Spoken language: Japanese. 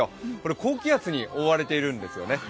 高気圧に覆われているんですよね。